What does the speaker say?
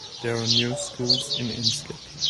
There are no schools in Inskip.